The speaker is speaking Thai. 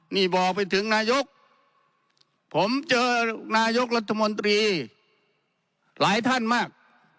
นี่บอกไปถึงนายกผมเจอนายกรัฐมนตรีหลายท่านมาก